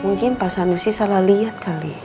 mungkin pak sanusi salah lihat kali